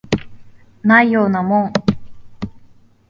ないようなもん